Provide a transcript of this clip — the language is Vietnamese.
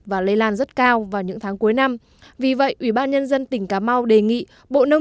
và lây lan rất cao vào những tháng cuối năm vì vậy ủy ban nhân dân tỉnh cà mau đề nghị bộ nông